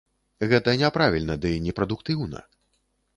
Гэта няправільна ды непрадуктыўна.